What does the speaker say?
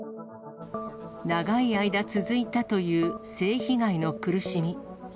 長い間、続いたという性被害の苦しみ。